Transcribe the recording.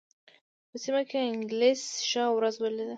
په سیمه کې انګلیس ښه ورځ ولېده.